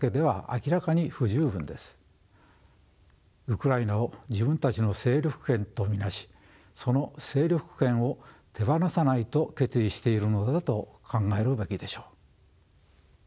ウクライナを自分たちの勢力圏と見なしその勢力圏を手放さないと決意しているのだと考えるべきでしょう。